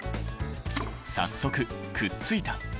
早速くっついた。